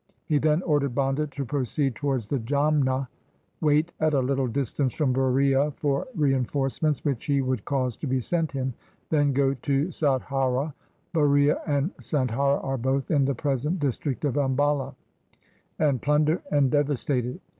He then ordered Banda to proceed towards the Jamna, wait at a little distance from Buria for reinforce ments which he would cause to be sent him, then go to Sadhaura — Buria and Sadhaura are both in the present district of Ambala — and plunder and devastate it.